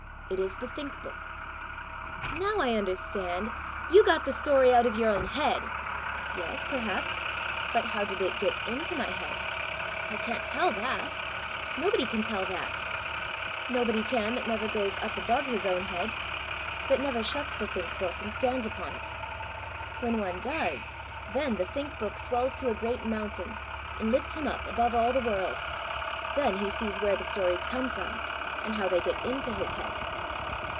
It is the Think book." "Now I understand! You got the story out of your own head!" "Yes, perhaps. But how did it get in to my head?" "I can't tell that. Nobody can tell that!" "Nobody can that never goes up above his own head that never shuts the Think book, and stands upon it. When one does, then the Think book swells to a great mountain and lifts him up above all the world: then he sees where the stories come from, and how they get into his head.